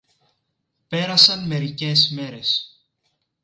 Πέρασαν μερικές μέρες